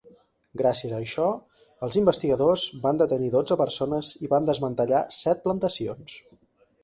Gràcies a això, els investigadors van detenir dotze persones i van desmantellar set plantacions.